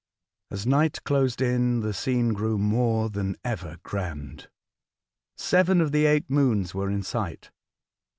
As night closed in, the scene grew more than ever grand. Seven of the eight moons were in sight.